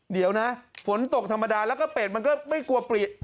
เดี๋ยวนะฝนตกธรรมดาแล้วก็เป็ดมันก็ไม่กลัวปลิ